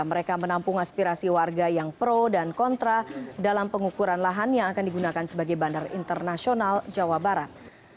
mereka menampung aspirasi warga yang pro dan kontra dalam pengukuran lahan yang akan digunakan sebagai bandar internasional jawa barat